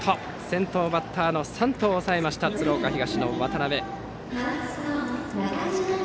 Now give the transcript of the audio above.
先頭バッターの山藤を抑えた鶴岡東の渡辺。